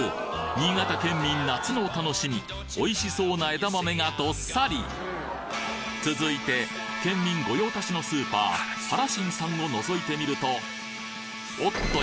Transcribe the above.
新潟県民夏のお楽しみおいしそうな枝豆がどっさり続いて県民御用達のスーパー原信さんをのぞいてみるとおっと！